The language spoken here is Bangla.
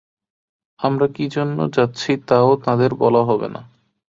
আমরা কী জন্যে যাচ্ছি তাও তাঁদের বলা হবে না।